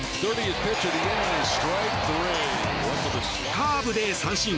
カーブで三振。